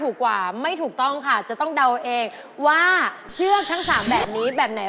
ถ้าใส่ตรงตาแล้วมองเลยเห็นไหม